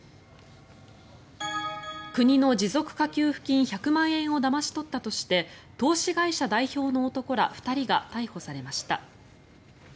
国の持続化給付金１００万円をだまし取ったとして投資会社代表の男ら２人が逮捕されました。